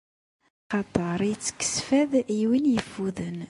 Axaṭer ittekkes fad i win iffuden.